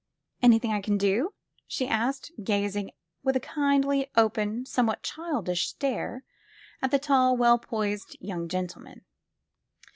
Anything I can do?" she asked, gazing with a kindly, open, somewhat childish stare at the tall, well poised young gentleman.